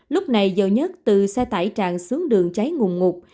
lúc này dầu nhất từ xe tải tràn xuống đường cháy ngùng ngục